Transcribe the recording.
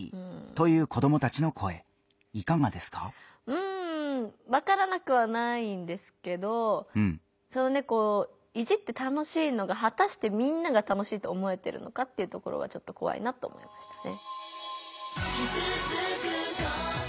うんわからなくはないんですけどいじって楽しいのがはたしてみんなが楽しいと思えてるのかっていうところはちょっとこわいなと思いましたね。